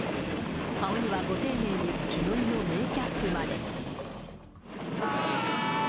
顔にはご丁寧に血のりのメーキャップまで。